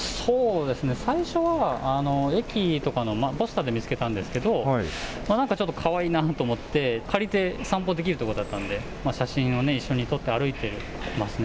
最初は駅とかのポスターで見つけたんですけど、なんかちょっとかわいいなと思って、借りて散歩できるってことだったんで、写真を一緒に撮って歩いていますね。